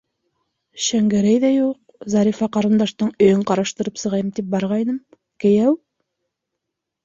Шәңгәрәй ҙә юҡ, Зарифа ҡарындаштың өйөн ҡараштырып сығайым тип барғайным, кейәү...